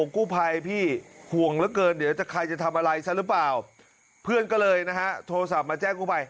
กู้ภัยพี่ห่วงเหลือเกินเดี๋ยวใครจะทำอะไรซะหรือเปล่าเพื่อนก็เลยนะฮะโทรศัพท์มาแจ้งกู้ภัย